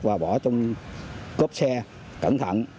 và bỏ trong cốp xe cẩn thận